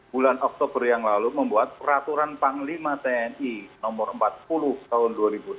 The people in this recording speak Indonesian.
bulan oktober yang lalu membuat peraturan panglima tni nomor empat puluh tahun dua ribu delapan belas